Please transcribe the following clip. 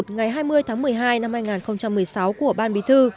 ngày hai mươi tháng một mươi hai năm hai nghìn một mươi sáu của ban bí thư